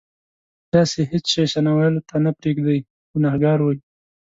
تاسې هېڅ شی ثنا ویلو ته نه پرېږدئ ګناهګار وئ.